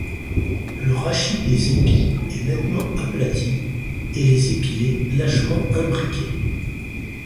Le rachis des épis est nettement aplati, et les épillets lâchement imbriqués.